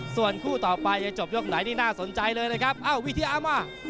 ส่วนคู่ต่อไปจะจบยกไหนนี่น่าสนใจเลยนะครับอ้าววิทยามา